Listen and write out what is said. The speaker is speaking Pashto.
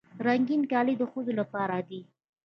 رنګین کالي د ښځو لپاره دي.